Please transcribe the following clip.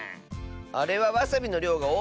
あれはわさびのりょうがおおすぎたの。